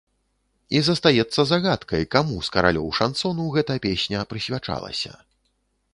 І застаецца загадкай, каму з каралёў шансону гэта песня прысвячалася.